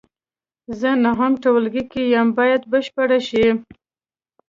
زه نهم ټولګي کې یم باید بشپړ شي.